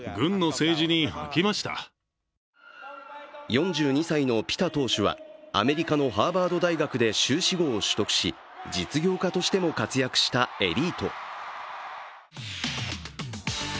４２歳のピタ党首はアメリカのハーバード大学で修士号を取得し実業家としても活躍したエリート。